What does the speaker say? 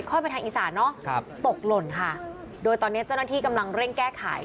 ไปทางอีสานเนอะครับตกหล่นค่ะโดยตอนนี้เจ้าหน้าที่กำลังเร่งแก้ไข